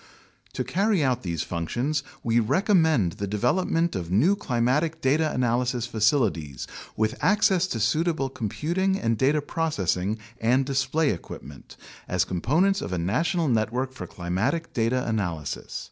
To carry out these functions we recommend the development of new climatic data analysis facilities with access to suitable computing and data processing and display equipment, as components of a national network for climatic data analysis.